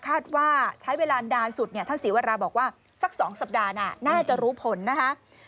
คาดว่าใช้เวลานานสุดเนี่ยท่านศรีวราบอกว่าสัก๒สัปดาห์น่าจะรู้ผลนะคะ